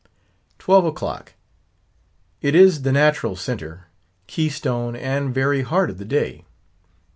Twelve o'clock! It is the natural centre, key stone, and very heart of the day.